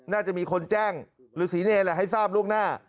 น่าจะมีคนแจ้งหรือศรีเนรแหละให้ทราบล่วงหน้า